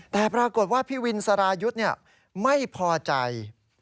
แต่ปรากฏว่าพี่วินสรายุทธ์ไม่พอใจ